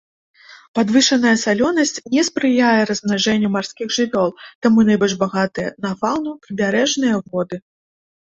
Падвышаная салёнасць не спрыяе размнажэнню марскіх жывёл, таму найбольш багатыя на фаўну прыбярэжныя воды.